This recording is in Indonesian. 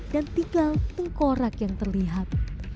dan tinggal tengkorak yang terlihat